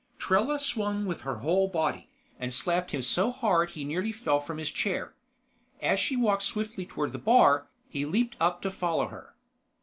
Trella swung with her whole body, and slapped him so hard he nearly fell from his chair. As she walked swiftly toward the bar, he leaped up to follow her.